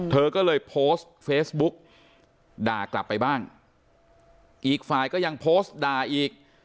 เธอก็เลยโพสต์เฟซบุ๊กด่ากลับไปบ้างอีกฝ่ายก็ยังโพสต์ด่าอีก